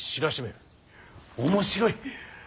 面白い。